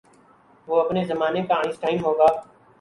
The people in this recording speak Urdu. وہ اپنے زمانے کا آئن سٹائن ہو گا۔